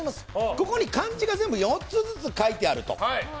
ここに漢字が４つずつ書いてあると。